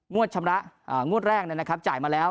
งวดชำระงวดแรกนั้นนะครับจ่ายมาแล้ว